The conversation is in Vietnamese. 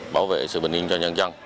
bảo vệ sự bình yên cho nhân dân